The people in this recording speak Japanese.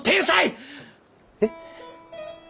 えっ？